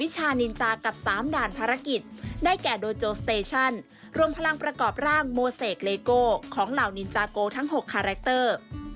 จากการติดตามนิวเตอร์